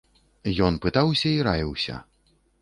Ён пытаўся і раіўся.